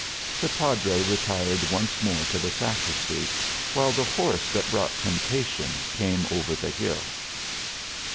The Padre retired once more to the sacristy, while the horse that brought Temptation came over the hill.